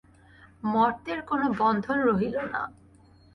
মর্তের কোনো বন্ধন রহিল না।